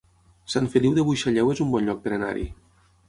Sant Feliu de Buixalleu es un bon lloc per anar-hi